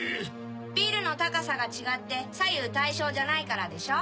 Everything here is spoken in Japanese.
ビルの高さが違って左右対称じゃないからでしょ？